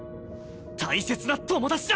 大切な友達だ！